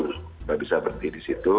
tidak bisa berhenti di situ